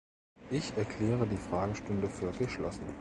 Ich erkläre die Fragestunde für geschlossen.